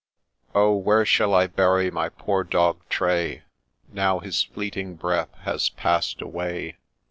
OH I where shall I bury my poor dog Tray, Now his fleeting breath has passed away